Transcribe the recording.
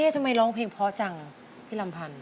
ทำไมร้องเพลงเพราะจังพี่ลำพันธ